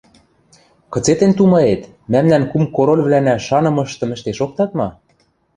— Кыце тӹнь тумает, мӓмнӓн кум-корольвлӓнӓ шанымыштым ӹштен шоктат ма?